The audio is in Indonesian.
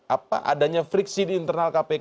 apa adanya friksi di internal kpk